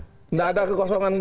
tidak ada kekosongan hukum